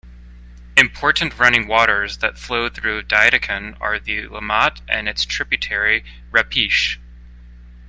Important running waters that flow through Dietikon are the Limmat and its tributary Reppisch.